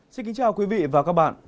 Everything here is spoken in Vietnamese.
xin kính chào quý vị và các bạn